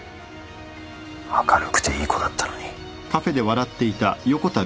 明るくていい子だったのに。